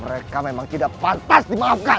mereka memang tidak pantas dimaafkan